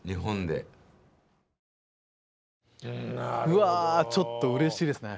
うわちょっとうれしいですね。